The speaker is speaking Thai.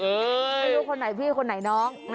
ไม่รู้คนไหนพี่คนไหนน้อง